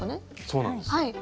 そうなんですよ。